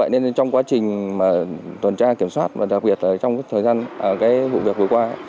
nên trong quá trình tuần tra kiểm soát và đặc biệt là trong thời gian vụ việc vừa qua